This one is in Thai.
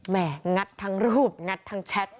่งัดทั้งรูปงัดทั้งแชท